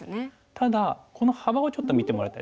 ただこの幅をちょっと見てもらいたいですね。